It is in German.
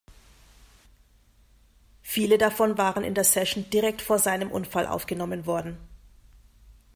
Viele davon waren in der Session direkt vor seinem Unfall aufgenommen worden.